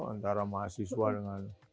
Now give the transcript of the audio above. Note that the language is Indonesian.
antara mahasiswa dengan